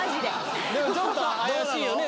でもちょっと怪しいよね